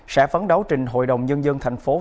sẽ phấn đấu trên hội đồng nhân dân tp hcm